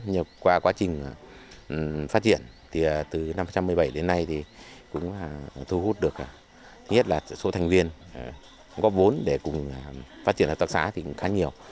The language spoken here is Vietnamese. nhưng qua quá trình phát triển thì từ năm hai nghìn một mươi bảy đến nay thì cũng thu hút được nhất là số thành viên góp vốn để cùng phát triển hợp tác xã thì cũng khá nhiều